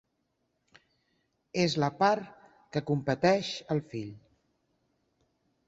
És la part que competeix al fill.